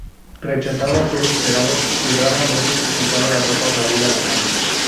Rechazaba ser esperado, y raramente se quitaba la ropa para ir a la cama.